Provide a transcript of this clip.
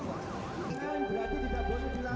pertanyaan yang terakhir